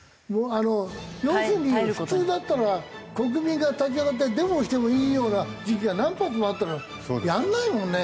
要するに普通だったら国民が立ち上がってデモしてもいいような時期が何発もあったのにやらないもんね。